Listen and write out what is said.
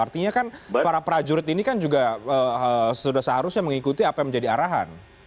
artinya kan para prajurit ini kan juga sudah seharusnya mengikuti apa yang menjadi arahan